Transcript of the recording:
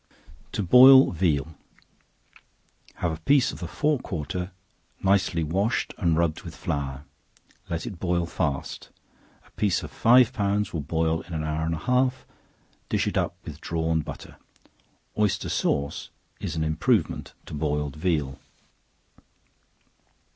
To Boil Veal. Have a piece of the fore quarter nicely washed and rubbed with Hour; let it boil fast; a piece of five pounds will boil in an hour and a half; dish it up with drawn butter. Oyster sauce is an improvement to boiled veal.